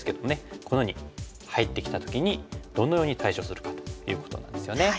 このように入ってきた時にどのように対処するかということなんですよね。